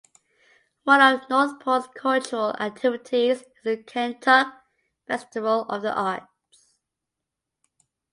One of Northport's cultural activities is the Kentuck Festival of the Arts.